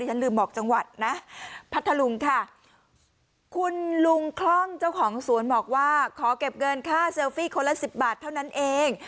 ฉันลืมบอกจังหวัดนะพัทธลุงค่ะคุณลุงคล่องเจ้าของสวนบอกว่าขอเก็บเงินค่าเซลฟี่คนละสิบบาทเท่านั้นเอง